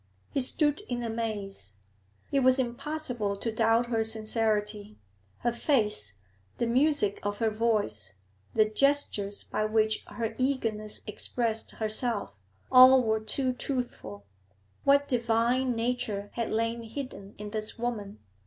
He stood in amaze. It was impossible to doubt her sincerity; her face, the music of her voice, the gestures by which her eagerness expressed herself, all were too truthful. What divine nature had lain hidden in this woman!